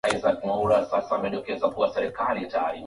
jeshi la jamhuri ya kidemokrasia ya Kongo lilisema kwamba waasi wa